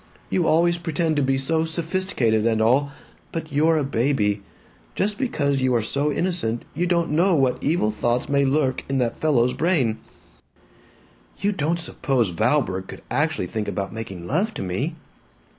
You always pretend to be so sophisticated and all, but you're a baby. Just because you are so innocent, you don't know what evil thoughts may lurk in that fellow's brain." "You don't suppose Valborg could actually think about making love to me?"